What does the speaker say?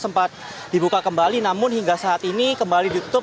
sempat dibuka kembali namun hingga saat ini kembali ditutup